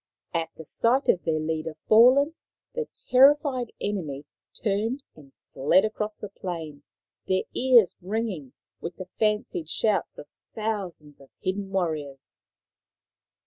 At the sight of their leader fallen, the terrified enemy turned and fled across the plain, their ears ringing with the fancied shouts of thousands of hidden warriors.